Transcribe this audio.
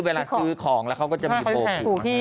เวลาซื้อของแล้วเขาก็จะมีโพง